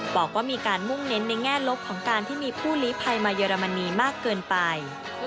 บอกว่ามีการมุ่งเน้นในแง่ลบของการที่มีผู้ลีภัยมาเยอรมนีมากเกินไป